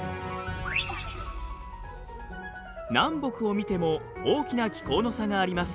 南北を見ても大きな気候の差があります。